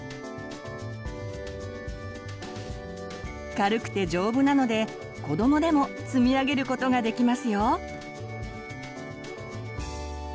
軽くて丈夫なので子どもでも積み上げることができますよ。